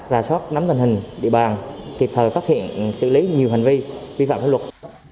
ra soát nắm tình hình địa bàn kịp thời phát hiện xử lý nhiều hành vi vi phạm pháp luật